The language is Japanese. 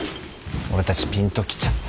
俺たちぴんときちゃった。